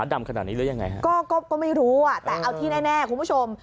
ดำขนาดนี้หรือยังไงฮะก็ก็ไม่รู้อ่ะแต่เอาที่แน่คุณผู้ชม